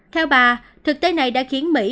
theo bà thực tế này đã khiến mỹ